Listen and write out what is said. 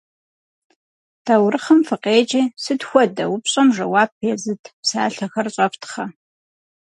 Таурыхъым фыкъеджи, «сыт хуэдэ?» упщӏэм жэуап езыт псалъэхэр щӏэфтхъэ.